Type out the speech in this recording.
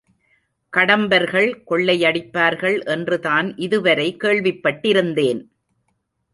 கடம்பர்கள் கொள்ளையடிப்பார்கள் என்றுதான் இதுவரை கேள்விப்பட்டிருந்தேன்.